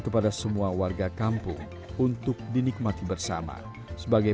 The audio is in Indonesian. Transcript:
ketika tak mungkin di kabung